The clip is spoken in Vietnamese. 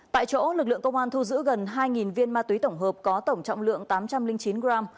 tại chỗ lực lượng công an thu giữ gần hai viên ma túy tổng hợp có tổng trọng lượng tám trăm linh chín gram